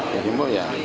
yang imbau ya